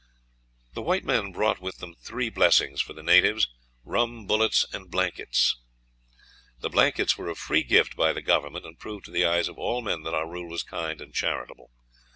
The white men brought with them three blessings for the natives rum, bullets, and blankets. The blankets were a free gift by the Government, and proved to the eyes of all men that our rule was kind and charitable.